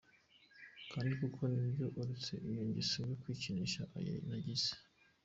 Kandi koko nibyo uretse iyo ngeso yo kwikinisha nagize.